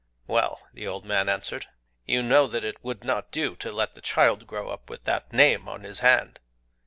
"Well," the old man answered, "you know that it would not do to let the child grow up with that name on his hand.